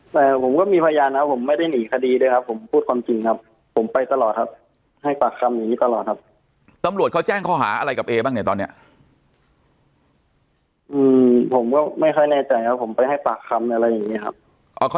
แต่ผมก็มีพยานครับผมไม่ได้หนีคดีด้วยครับผมพูดความจริงครับผมไปตลอดครับให้ปากคำอย่างนี้ตลอดครับ